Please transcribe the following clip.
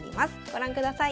ご覧ください。